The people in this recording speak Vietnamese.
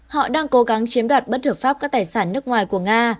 họ đang cố gắng chiếm đoạt bất hợp pháp các tài sản nước ngoài của nga